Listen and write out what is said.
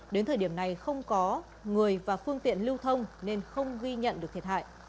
đến thời điểm này không có người và phương tiện lưu thông nên không ghi nhận được thiệt hại